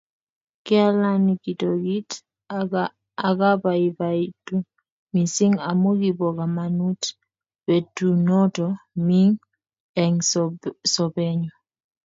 Kialany kitokit akabaibaitu mising amu kibo kamanut betunoto miing eng sobenyu